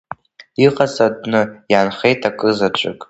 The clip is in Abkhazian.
Иҟаҵатәны иаанхеит акы заҵәык…